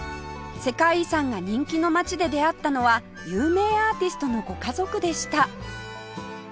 世界遺産が人気の街で出会ったのは有名アーティストのご家族でした